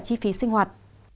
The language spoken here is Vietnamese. chi phí sinh hoạt